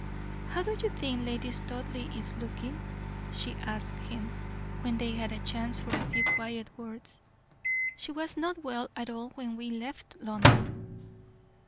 "How do you think Lady Studleigh is looking?" she asked him, when they had a chance for a few quiet words. "She was not well at all when we left London."